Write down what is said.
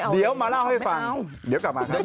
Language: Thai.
เดี๋ยวมาเล่าให้ฟัง